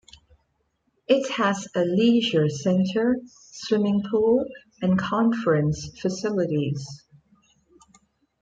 It has a leisure centre, swimming pool and conference facilities.